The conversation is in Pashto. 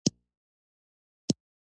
مقابل طرف مشخصه طرح لري.